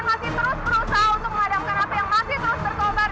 baik lah influenced